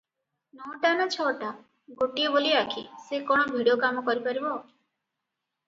ନଅଟା ନା ଛଅଟା! ଗୋଟାଏ ବୋଲି ଆଖି, ସେ କଣ ଭିଡ଼ କାମ କରିପାରିବ?